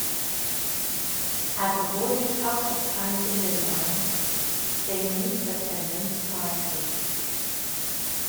At the boarding house of Pansy Milbank, they meet her tenant Michael.